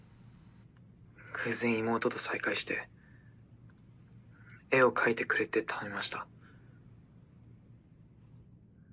偶然妹と再会して絵を描いてくれって頼みました。